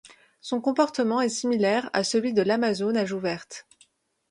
Son comportement est similaire à celui de l'Amazone à joues vertes.